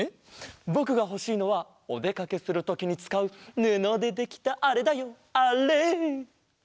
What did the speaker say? ぼくがほしいのはおでかけするときにつかうぬのでできたあれだよあれ。